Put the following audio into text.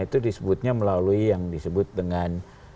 itu disebutnya melalui yang disebut dengan